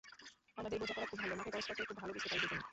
আমাদের বোঝাপড়া খুব ভালো, মাঠে পরস্পরকে খুব ভালো বুঝতে পারি দুজনই।